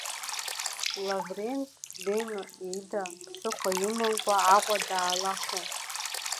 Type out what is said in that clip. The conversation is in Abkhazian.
Лаврент Бено ида ԥсыхәа имамкәа Аҟәа даалахо…